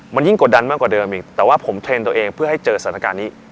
มันยิ่งกดดันมากกว่าเดิมอีกแต่ว่าผมเทรนด์ตัวเองเพื่อให้เจอสถานการณ์นี้